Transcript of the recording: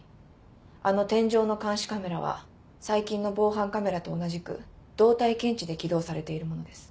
あの天井の監視カメラは最近の防犯カメラと同じく動体検知で起動されているものです。